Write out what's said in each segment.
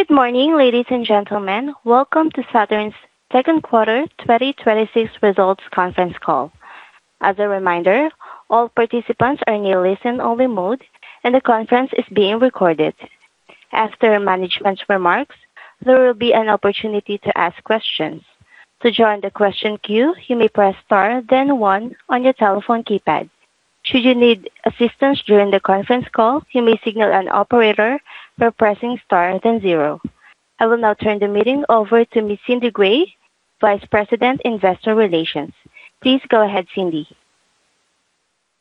Good morning, ladies and gentlemen. Welcome to Saturn's second quarter 2026 results conference call. As a reminder, all participants are in a listen only mode and the conference is being recorded. After management's remarks, there will be an opportunity to ask questions. To join the question queue, you may press star then one on your telephone keypad. Should you need assistance during the conference call, you may signal an operator by pressing star then zero. I will now turn the meeting over to Ms. Cindy Gray, Vice President, Investor Relations. Please go ahead, Cindy.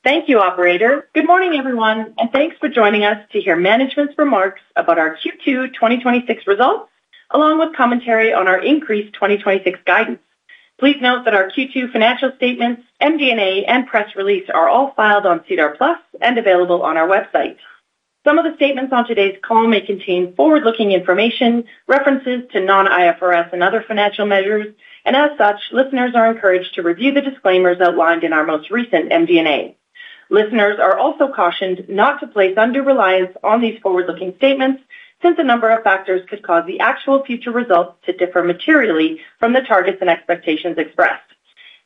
Thank you, operator. Good morning, everyone, Thanks for joining us to hear management's remarks about our Q2 2026 results, along with commentary on our increased 2026 guidance. Please note that our Q2 financial statements, MD&A, and press release are all filed on SEDAR+ and available on our website. Some of the statements on today's call may contain forward-looking information, references to non-IFRS and other financial measures, as such, listeners are encouraged to review the disclaimers outlined in our most recent MD&A. Listeners are also cautioned not to place undue reliance on these forward-looking statements, since a number of factors could cause the actual future results to differ materially from the targets and expectations expressed.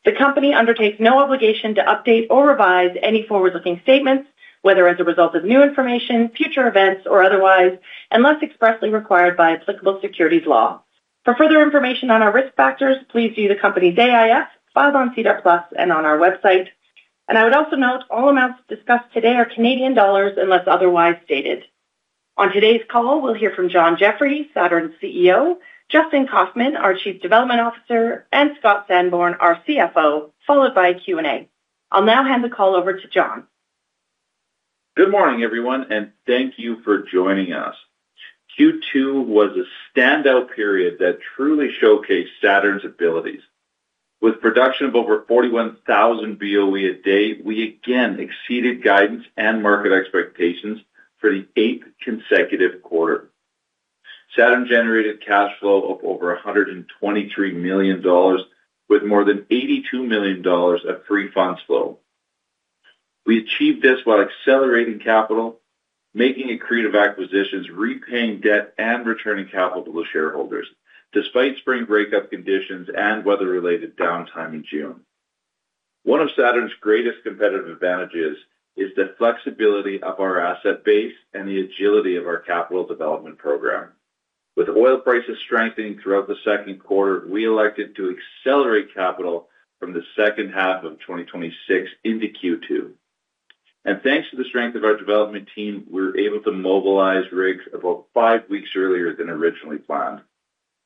The company undertakes no obligation to update or revise any forward-looking statements, whether as a result of new information, future events, or otherwise, unless expressly required by applicable securities law. For further information on our risk factors, please view the company's AIF filed on SEDAR+ and on our website. I would also note all amounts discussed today are Canadian dollars unless otherwise stated. On today's call, we'll hear from John Jeffrey, Saturn's CEO, Justin Kaufmann, our Chief Development Officer, and Scott Sanborn, our CFO, followed by a Q&A. I'll now hand the call over to John. Good morning, everyone, Thank you for joining us. Q2 was a standout period that truly showcased Saturn's abilities. With production of over 41,000 BOE a day, we again exceeded guidance and market expectations for the eighth consecutive quarter. Saturn generated cash flow of over 123 million dollars with more than 82 million dollars of free funds flow. We achieved this while accelerating capital, making accretive acquisitions, repaying debt, and returning capital to shareholders despite spring breakup conditions and weather-related downtime in June. One of Saturn's greatest competitive advantages is the flexibility of our asset base and the agility of our capital development program. With oil prices strengthening throughout the second quarter, we elected to accelerate capital from the second half of 2026 into Q2. Thanks to the strength of our development team, we were able to mobilize rigs about five weeks earlier than originally planned.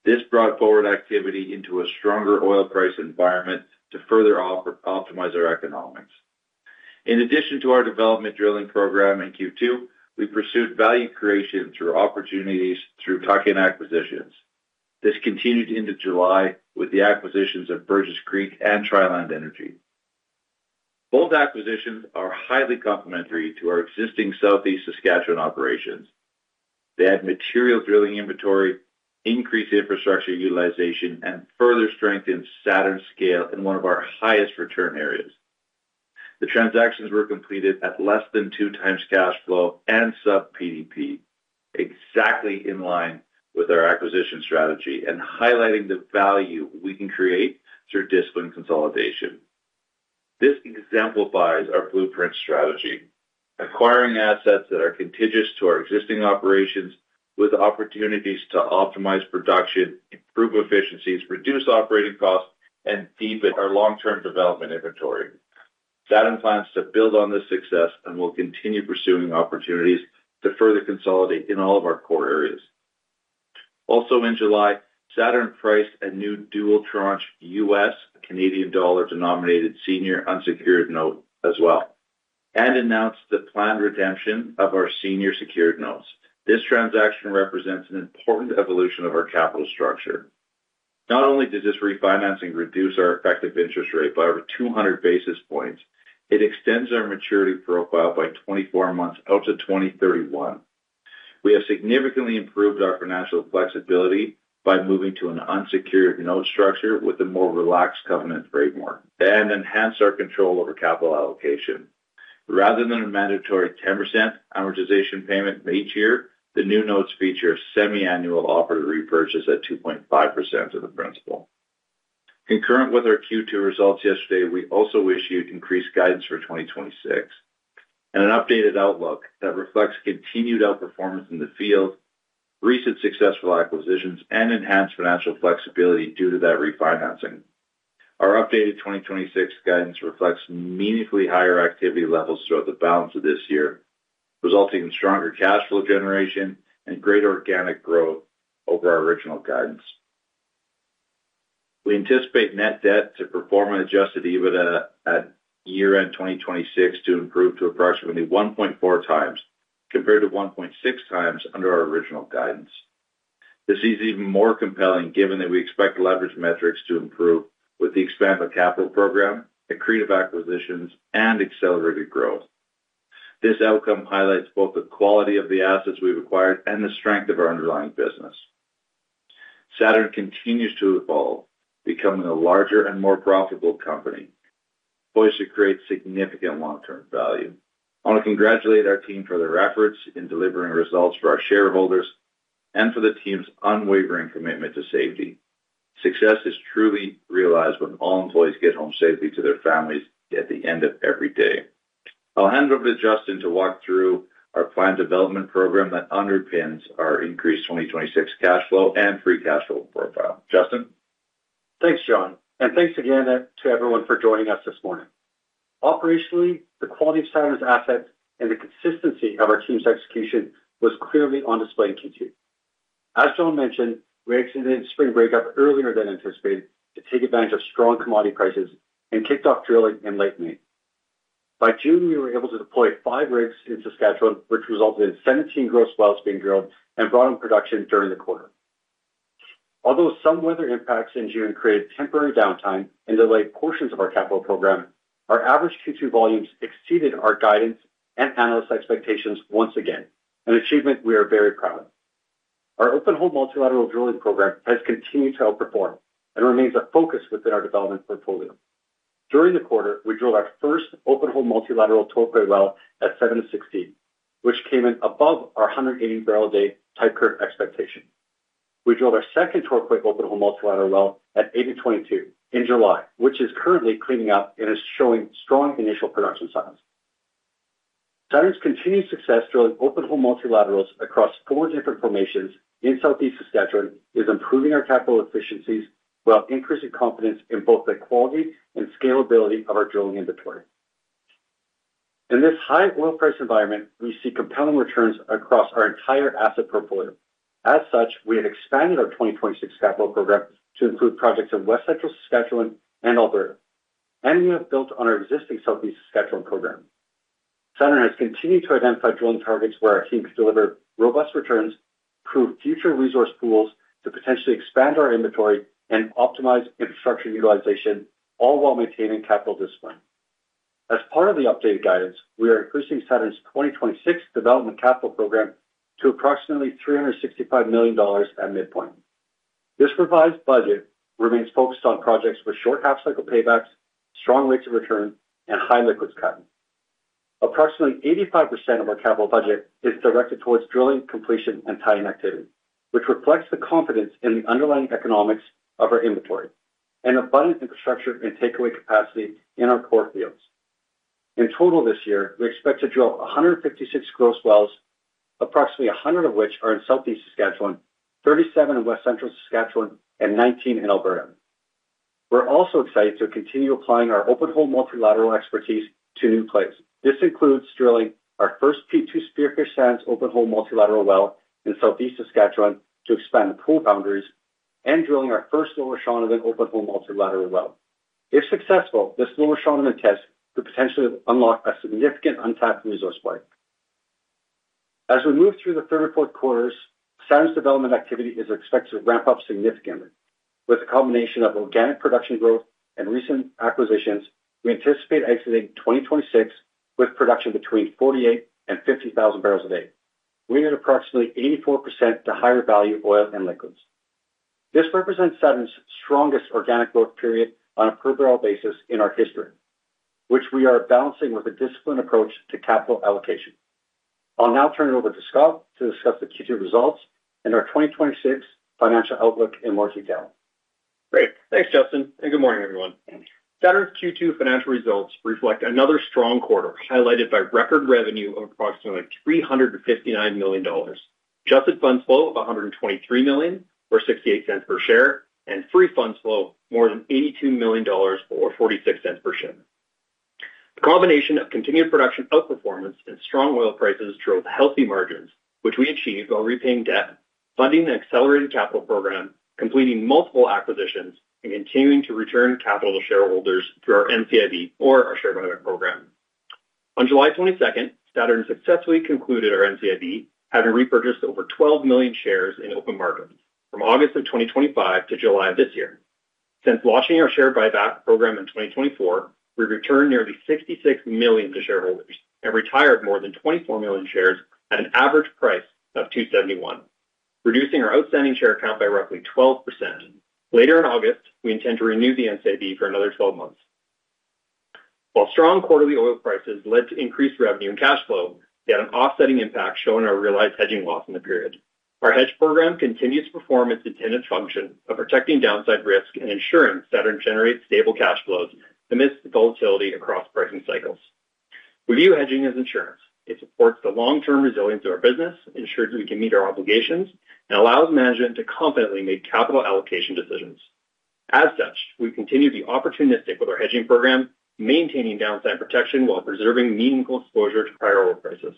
This brought forward activity into a stronger oil price environment to further optimize our economics. In addition to our development drilling program in Q2, we pursued value creation through opportunities through tuck-in acquisitions. This continued into July with the acquisitions of Burgess Creek and Triland Energy. Both acquisitions are highly complementary to our existing Southeast Saskatchewan operations. They add material drilling inventory, increase infrastructure utilization, and further strengthen Saturn's scale in one of our highest return areas. The transactions were completed at less than 2x cash flow and sub PDP, exactly in line with our acquisition strategy and highlighting the value we can create through disciplined consolidation. This exemplifies our blueprint strategy, acquiring assets that are contiguous to our existing operations with opportunities to optimize production, improve efficiencies, reduce operating costs, and deepen our long-term development inventory. Saturn plans to build on this success. Will continue pursuing opportunities to further consolidate in all of our core areas. In July, Saturn priced a new dual tranche U.S. dollar, Canadian dollar denominated Senior Unsecured Note as well, and announced the planned redemption of our Senior Secured Notes. This transaction represents an important evolution of our capital structure. Not only does this refinancing reduce our effective interest rate by over 200 basis points, it extends our maturity profile by 24 months out to 2031. We have significantly improved our financial flexibility by moving to an unsecured note structure with a more relaxed covenant framework and enhanced our control over capital allocation. Rather than a mandatory 10% amortization payment made each year, the new notes feature semiannual offer to repurchase at 2.5% of the principal. Concurrent with our Q2 results yesterday, we also issued increased guidance for 2026 and an updated outlook that reflects continued outperformance in the field, recent successful acquisitions, and enhanced financial flexibility due to that refinancing. Our updated 2026 guidance reflects meaningfully higher activity levels throughout the balance of this year, resulting in stronger cash flow generation and greater organic growth over our original guidance. We anticipate net debt to Adjusted EBITDA at year-end 2026 to improve to approximately 1.4x compared to 1.6x under our original guidance. This is even more compelling given that we expect leverage metrics to improve with the expanded capital program, accretive acquisitions, and accelerated growth. This outcome highlights both the quality of the assets we've acquired and the strength of our underlying business. Saturn continues to evolve, becoming a larger and more profitable company, poised to create significant long-term value. I want to congratulate our team for their efforts in delivering results for our shareholders and for the team's unwavering commitment to safety. Success is truly realized when all employees get home safely to their families at the end of every day. I'll hand it over to Justin to walk through our planned development program that underpins our increased 2026 cash flow and free cash flow profile. Justin? Thanks, John, and thanks again to everyone for joining us this morning. Operationally, the quality of Saturn's assets and the consistency of our team's execution was clearly on display in Q2. As John mentioned, we exited spring breakup earlier than anticipated to take advantage of strong commodity prices and kicked off drilling in late May. By June, we were able to deploy five rigs in Saskatchewan, which resulted in 17 gross wells being drilled and brought in production during the quarter. Although some weather impacts in June created temporary downtime and delayed portions of our capital program, our average Q2 volumes exceeded our guidance and analyst expectations once again, an achievement we are very proud of. Our open hole multilateral drilling program has continued to outperform and remains a focus within our development portfolio. During the quarter, we drilled our first open hole multilateral Torquay well at 716, which came in above our 180 barrel a day type curve expectation. We drilled our second Torquay open hole multilateral well at 8022 in July, which is currently cleaning up and is showing strong initial production signs. Saturn's continued success drilling open hole multilaterals across four different formations in Southeast Saskatchewan is improving our capital efficiencies while increasing confidence in both the quality and scalability of our drilling inventory. In this high oil price environment, we see compelling returns across our entire asset portfolio. As such, we have expanded our 2026 capital program to include projects in West Central Saskatchewan and Alberta. We have built on our existing Southeast Saskatchewan program. Saturn has continued to identify drilling targets where our team can deliver robust returns, prove future resource pools to potentially expand our inventory, and optimize infrastructure utilization, all while maintaining capital discipline. As part of the updated guidance, we are increasing Saturn's 2026 development capital program to approximately 365 million dollars at midpoint. This revised budget remains focused on projects with short half-cycle paybacks, strong rates of return, and high liquids content. Approximately 85% of our capital budget is directed towards drilling completion and tie-in activity, which reflects the confidence in the underlying economics of our inventory and abundant infrastructure and takeaway capacity in our core fields. In total this year, we expect to drill 156 gross wells, approximately 100 of which are in Southeast Saskatchewan, 37 in West Central Saskatchewan, and 19 in Alberta. We are also excited to continue applying our open hole multilateral expertise to new plays. This includes drilling our first P2 Spearfish sands open hole multilateral well in Southeast Saskatchewan to expand the pool boundaries and drilling our first Lower Shaunavon open hole multilateral well. If successful, this Lower Shaunavon test could potentially unlock a significant untapped resource play. As we move through the third and fourth quarters, Saturn's development activity is expected to ramp up significantly. With the combination of organic production growth and recent acquisitions, we anticipate exiting 2026 with production between 48,000 and 50,000 barrels a day, leaning approximately 84% to higher value oil and liquids. This represents Saturn's strongest organic growth period on a per barrel basis in our history, which we are balancing with a disciplined approach to capital allocation. I will now turn it over to Scott to discuss the Q2 results and our 2026 financial outlook in more detail. Great. Thanks, Justin, Good morning, everyone. Saturn's Q2 financial results reflect another strong quarter, highlighted by record revenue of approximately 359 million dollars, adjusted funds flow of 123 million, or 0.68 per share. Free funds flow, more than 82 million dollars, or 0.46 per share. The combination of continued production outperformance and strong oil prices drove healthy margins, which we achieved while repaying debt, funding the accelerated capital program, completing multiple acquisitions, continuing to return capital to shareholders through our NCIB or our share buyback program. On July 22nd, Saturn successfully concluded our NCIB, having repurchased over 12 million shares in open market from August 2025 to July of this year. Since launching our share buyback program in 2024, we've returned nearly 66 million to shareholders and retired more than 24 million shares at an average price of 271, reducing our outstanding share count by roughly 12%. Later in August, we intend to renew the NCIB for another 12 months. While strong quarterly oil prices led to increased revenue and cash flow, we had an offsetting impact showing our realized hedging loss in the period. Our hedge program continues to perform its intended function of protecting downside risk and ensuring Saturn generates stable cash flows amidst the volatility across pricing cycles. We view hedging as insurance. It supports the long-term resilience of our business, ensures we can meet our obligations, and allows management to confidently make capital allocation decisions. As such, we continue to be opportunistic with our hedging program, maintaining downside protection while preserving meaningful exposure to higher oil prices.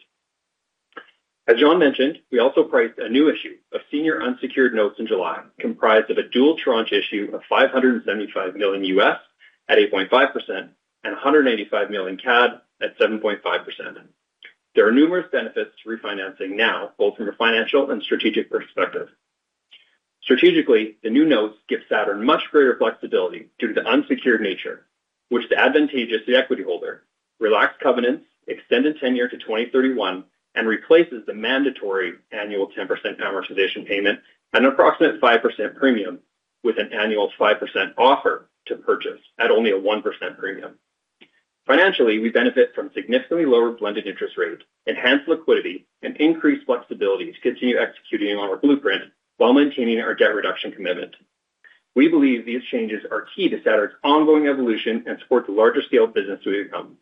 As John mentioned, we also priced a new issue of Senior Unsecured Notes in July, comprised of a dual tranche issue of $575 million at 8.5% 185 million CAD at 7.5%. There are numerous benefits to refinancing now, both from a financial and strategic perspective. Strategically, the new notes give Saturn much greater flexibility due to the unsecured nature. Which is advantageous to the equity holder, relaxed covenants, extended tenure to 2031, replaces the mandatory annual 10% amortization payment, an approximate 5% premium with an annual 5% offer to purchase at only a 1% premium. Financially, we benefit from significantly lower blended interest rates, enhanced liquidity, Increased flexibility to continue executing on our blueprint while maintaining our debt reduction commitment. We believe these changes are key to Saturn's ongoing evolution and support the larger scale business we have become.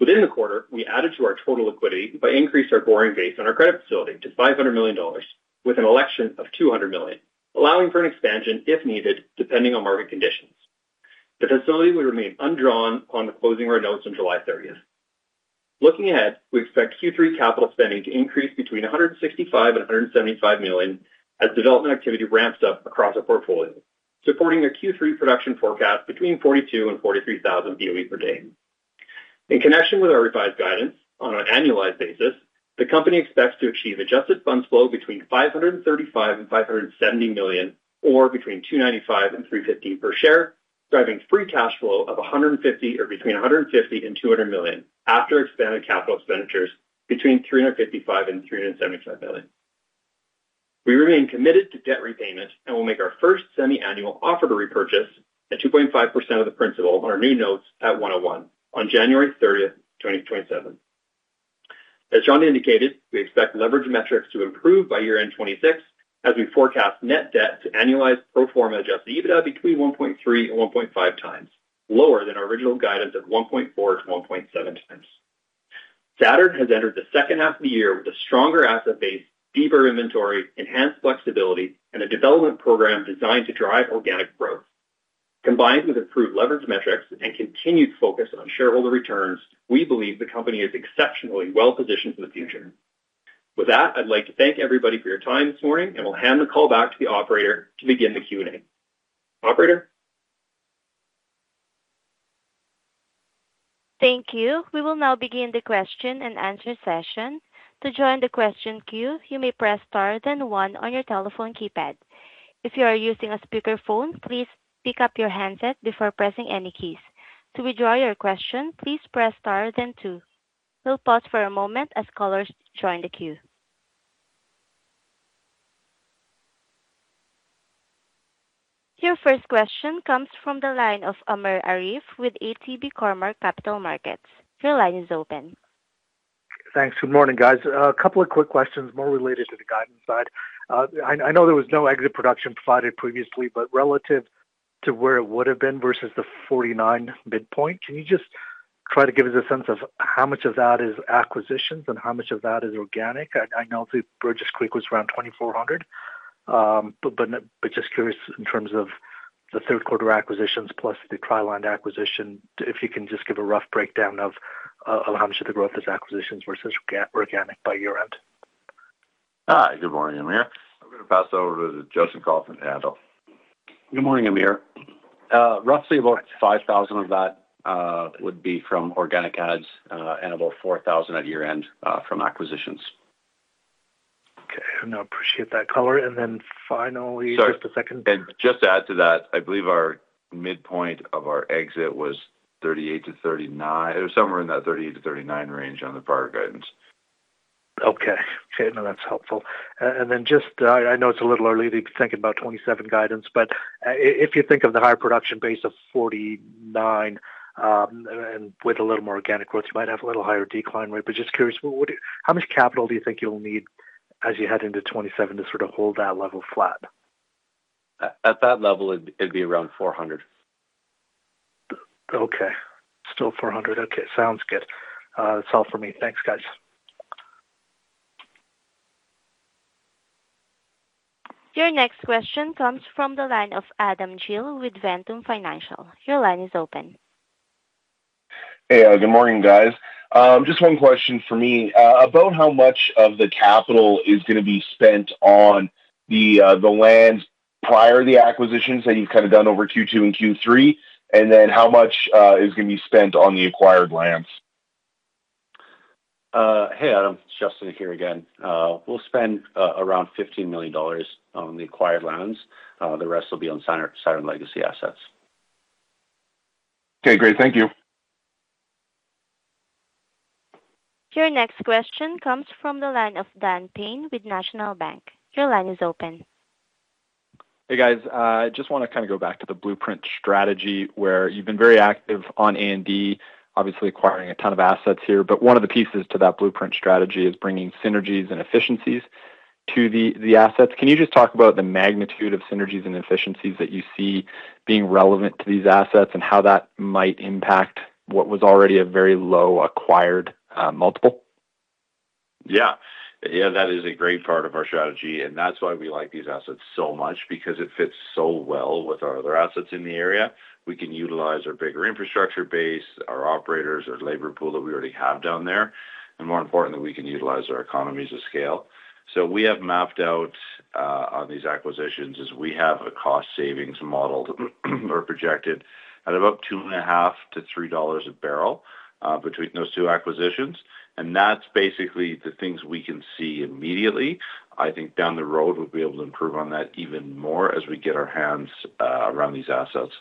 Within the quarter, we added to our total liquidity by increasing our borrowing base on our credit facility to 500 million dollars with an election of 200 million, allowing for an expansion if needed, depending on market conditions. The facility will remain undrawn on the closing of our notes on July 30th. Looking ahead, we expect Q3 capital spending to increase between 165 million and 175 million as development activity ramps up across our portfolio, supporting a Q3 production forecast between 42,000 and 43,000 BOE per day. In connection with our revised guidance on an annualized basis, the company expects to achieve adjusted funds flow between 535 million and 570 million, or between 295 and 350 per share, driving free cash flow of 150 million or between 150 million and 200 million after expanded capital expenditures between 355 million and 375 million. We remain committed to debt repayment and will make our first semi-annual offer to repurchase at 2.5% of the principal on our new notes at 101 on January 30th, 2027. As John Jeffrey indicated, we expect leverage metrics to improve by year-end 2026 as we forecast net debt to annualized pro forma Adjusted EBITDA between 1.3x and 1.5x, lower than our original guidance of 1.4x to 1.7x. Saturn has entered the second half of the year with a stronger asset base, deeper inventory, enhanced flexibility, and a development program designed to drive organic growth. Combined with improved leverage metrics and continued focus on shareholder returns, we believe the company is exceptionally well-positioned for the future. With that, I'd like to thank everybody for your time this morning, and we'll hand the call back to the operator to begin the Q&A. Operator? Thank you. We will now begin the question-and-answer session. To join the question queue, you may press star then one on your telephone keypad. If you are using a speakerphone, please pick up your handset before pressing any keys. To withdraw your question, please press star then two. We'll pause for a moment as callers join the queue. Your first question comes from the line of Amir Arif with ATB Cormark Capital Markets. Your line is open. Thanks. Good morning, guys. A couple of quick questions more related to the guidance side. I know there was no exit production provided previously, but relative to where it would've been versus the 49 midpoint, can you just try to give us a sense of how much of that is acquisitions and how much of that is organic? I know Burgess Creek was around 2,400. Just curious in terms of the third quarter acquisitions plus the Triland acquisition, if you can just give a rough breakdown of how much of the growth is acquisitions versus organic by year-end. Hi. Good morning, Amir. I'm going to pass over to Justin Kaufmann to handle. Good morning, Amir. Roughly about 5,000 of that would be from organic adds, about 4,000 at year-end, from acquisitions. Okay. No, appreciate that color. Then finally, just a- Sorry. Just to add to that, I believe our midpoint of our exit was 38-39. It was somewhere in that 38-39 range on the prior guidance. Okay. No, that's helpful. Then just, I know it's a little early to think about 2027 guidance, but if you think of the higher production base of 49, and with a little more organic growth, you might have a little higher decline rate, but just curious, how much capital do you think you'll need as you head into 2027 to sort of hold that level flat? At that level, it'd be around 400. Okay. Still 400. Okay. Sounds good. That's all for me. Thanks, guys. Your next question comes from the line of Adam Gill with Ventum Financial. Your line is open. Hey. Good morning, guys. Just one question from me. About how much of the capital is going to be spent on the land prior to the acquisitions that you've kind of done over Q2 and Q3, and then how much is going to be spent on the acquired lands? Hey, Adam, it's Justin here again. We'll spend around 15 million dollars on the acquired lands. The rest will be on Saturn legacy assets. Okay, great. Thank you. Your next question comes from the line of Dan Payne with National Bank. Your line is open. Hey, guys. I just want to kind of go back to the blueprint strategy where you've been very active on A&D, obviously acquiring a ton of assets here. One of the pieces to that blueprint strategy is bringing synergies and efficiencies to the assets. Can you just talk about the magnitude of synergies and efficiencies that you see being relevant to these assets and how that might impact what was already a very low acquired multiple? Yeah. That is a great part of our strategy, and that's why we like these assets so much, because it fits so well with our other assets in the area. We can utilize our bigger infrastructure base, our operators, our labor pool that we already have down there. More importantly, we can utilize our economies of scale. We have mapped out, on these acquisitions, is we have a cost savings model or projected at about 2.50-3 dollars a barrel, between those two acquisitions. That's basically the things we can see immediately. I think down the road, we'll be able to improve on that even more as we get our hands around these assets.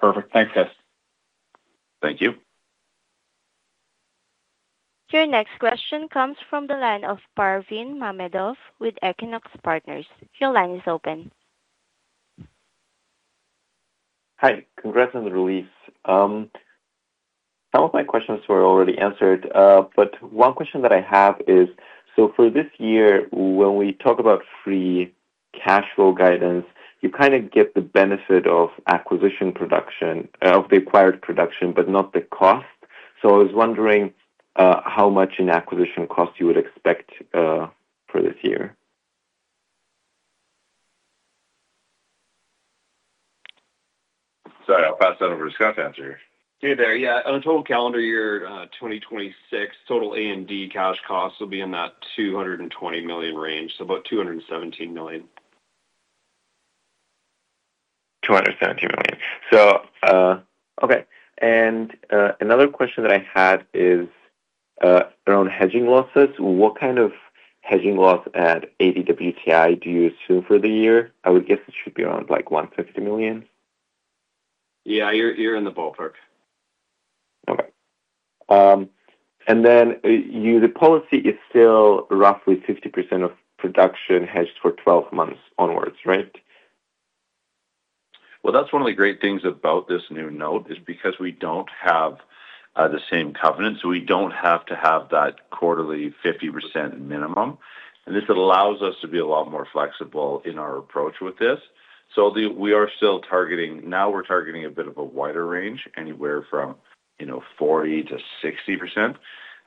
Perfect. Thanks, guys. Your next question comes from the line of Parvin Mamedov with Equinox Partners. Your line is open. Hi. Congrats on the release. Some of my questions were already answered, but one question that I have is, for this year, when we talk about free cash flow guidance, you kind of get the benefit of the acquired production, but not the cost. I was wondering, how much in acquisition cost you would expect for this year? Sorry, I'll pass that over to Scott to answer. Hey there. Yeah. On total calendar year 2026, total A&D cash costs will be in that 220 million range, so about 217 million. 217 million. Okay. Another question that I had is, around hedging losses. What kind of hedging loss at 80 WTI do you assume for the year? I would guess it should be around, like, 150 million. Yeah. You're in the ballpark. Okay. The policy is still roughly 50% of production hedged for 12 months onwards, right? Well, that's one of the great things about this new note is because we don't have the same covenants, we don't have to have that quarterly 50% minimum, and this allows us to be a lot more flexible in our approach with this. Now we're targeting a bit of a wider range, anywhere from 40%-60%.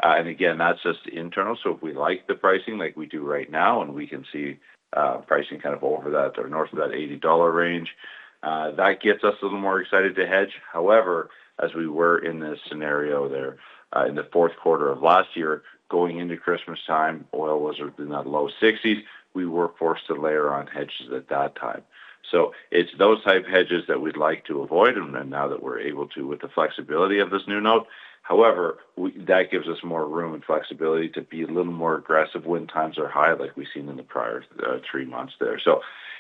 Again, that's just internal. If we like the pricing like we do right now and we can see pricing kind of over that or north of that 80 dollar range, that gets us a little more excited to hedge. However, as we were in this scenario there, in the fourth quarter of last year, going into Christmastime, oil was in that low 60s. We were forced to layer on hedges at that time. It's those type of hedges that we'd like to avoid and now that we're able to with the flexibility of this new note. However, that gives us more room and flexibility to be a little more aggressive when times are high, like we've seen in the prior three months there.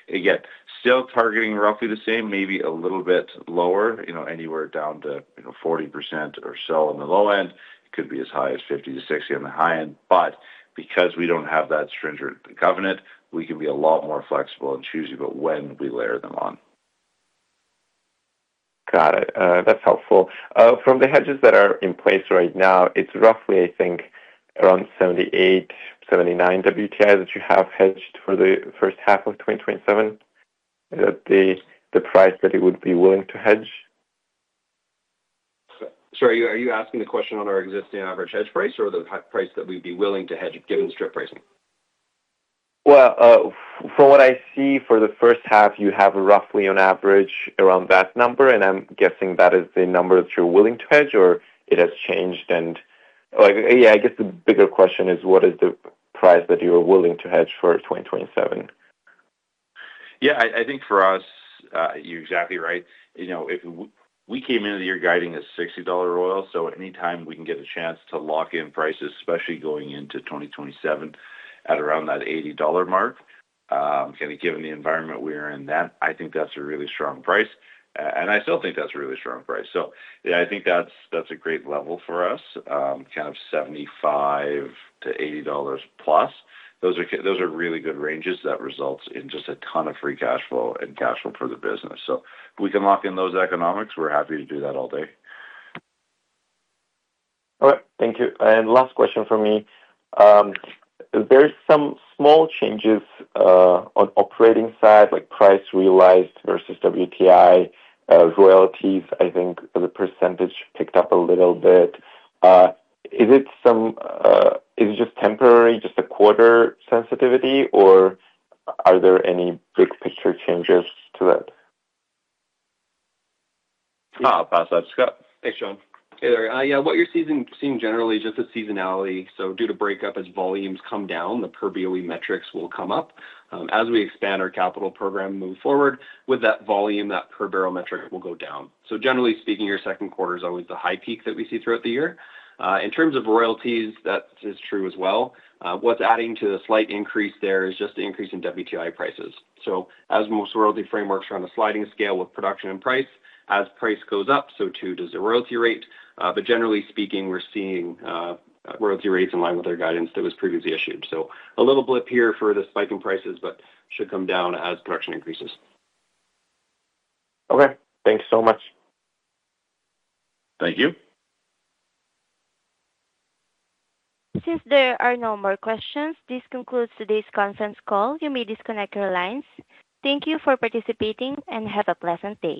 Again, still targeting roughly the same, maybe a little bit lower, anywhere down to 40% or so on the low end. It could be as high as 50-60 on the high end. Because we don't have that stringent covenant, we can be a lot more flexible and choosy about when we layer them on. Got it. That's helpful. From the hedges that are in place right now, it's roughly, I think, around 78, 79 WTI that you have hedged for the first half of 2027, at the price that it would be willing to hedge. Sorry, are you asking the question on our existing average hedge price or the price that we'd be willing to hedge given strip pricing? Well, from what I see for the first half, you have roughly on average around that number, and I'm guessing that is the number that you're willing to hedge or it has changed. Yeah, I guess the bigger question is what is the price that you are willing to hedge for 2027? Yeah, I think for us, you're exactly right. We came into the year guiding at 60 dollar oil, anytime we can get a chance to lock in prices, especially going into 2027 at around that 80 dollar mark, given the environment we're in, I think that's a really strong price, I still think that's a really strong price. Yeah, I think that's a great level for us, kind of 75-80 dollars plus. Those are really good ranges that results in just a ton of free cash flow and cash flow for the business. If we can lock in those economics, we're happy to do that all day. All right. Thank you. Last question from me. There's some small changes on operating side, like price realized versus WTI, royalties, I think the % picked up a little bit. Is it just temporary, just a quarter sensitivity, or are there any big picture changes to that? I'll pass that to Scott. Thanks, John. Hey there. What you're seeing generally is just a seasonality. Due to breakup, as volumes come down, the per BOE metrics will come up. As we expand our capital program and move forward with that volume, that per barrel metric will go down. Generally speaking, your second quarter is always the high peak that we see throughout the year. In terms of royalties, that is true as well. What's adding to the slight increase there is just the increase in WTI prices. As most royalty frameworks are on a sliding scale with production and price, as price goes up, so too does the royalty rate. Generally speaking, we're seeing royalty rates in line with our guidance that was previously issued. A little blip here for the spike in prices, but should come down as production increases. Okay. Thank you so much. Thank you. Since there are no more questions, this concludes today's conference call. You may disconnect your lines. Thank you for participating, and have a pleasant day.